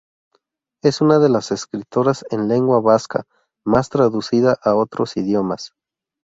Es una de las escritoras en lengua vasca más traducida a otros idiomas.